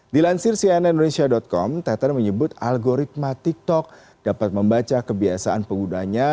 di lansir cnn indonesia com teton menyebut algoritma tiktok dapat membaca kebiasaan penggunanya